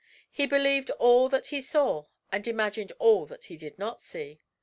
He believed all that he saw and imagined all that he did not see.